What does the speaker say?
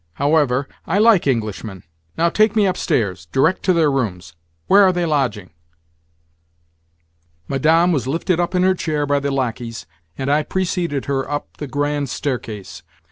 However, I like Englishmen. Now, take me upstairs, direct to their rooms. Where are they lodging?" Madame was lifted up in her chair by the lacqueys, and I preceded her up the grand staircase.